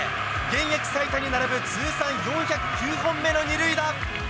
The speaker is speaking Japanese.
現役最多に並ぶ通算４０９本目の２塁打。